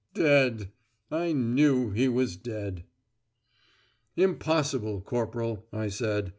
Dead! I knew he was dead. "Impossible, corporal," I said.